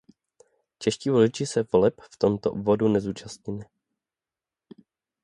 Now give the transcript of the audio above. Čeští voliči se voleb v tomto obvodu nezúčastnili.